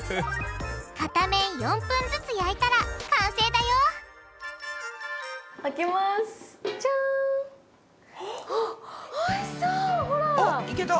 片面４分ずつ焼いたら完成だよあっいけた！